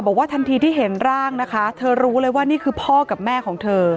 ทันทีที่เห็นร่างนะคะเธอรู้เลยว่านี่คือพ่อกับแม่ของเธอ